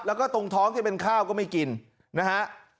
แล้วก็ตรงท้องที่เป็นข้าวก็ไม่กินนะฮะ